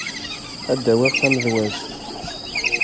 Ad d-awiɣ tamedwazt.